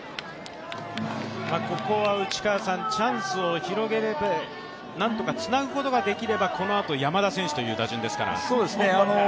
ここはチャンスを広げて、何とかつなぐことができればこのあと山田選手という打順ですから。